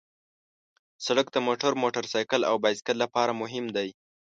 سړک د موټر، موټرسایکل او بایسکل لپاره مهم دی.